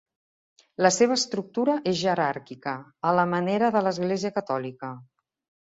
La seva estructura és jeràrquica, a la manera de l'Església Catòlica.